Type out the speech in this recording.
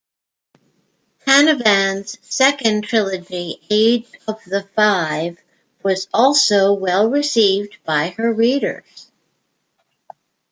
Canavan's second trilogy, "Age of the Five", was also well received by her readers.